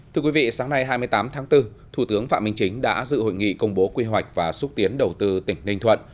thưa quý vị sáng nay hai mươi tám tháng bốn thủ tướng phạm minh chính đã dự hội nghị công bố quy hoạch và xúc tiến đầu tư tỉnh ninh thuận